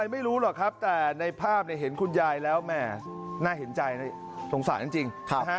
ไม่รู้หรอกครับแต่ในภาพเห็นคุณยายแล้วแม่น่าเห็นใจสงสารจริง